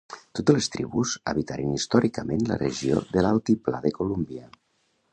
Totes les tribus habitaren històricament la regió de l'Altiplà de Columbia.